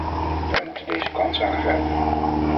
Wij moeten deze kans aangrijpen.